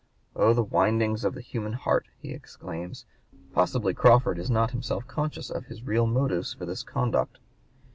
"Oh, the windings of the human heart!" he exclaims; "possibly Crawford is not himself conscious of his real motives for this conduct."